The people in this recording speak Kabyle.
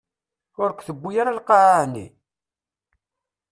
Ur k-tewwi ara lqaɛa, ɛni?